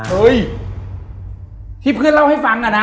เฮ้ยที่เพื่อนเล่าให้ฟังอะนะ